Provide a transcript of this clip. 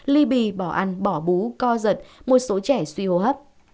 ly bì bỏ ăn bỏ bú co giật một số trẻ suy hô hấp